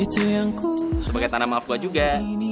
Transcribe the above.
sebagai tanda maaf gue juga